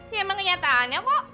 ya emang kenyataannya kok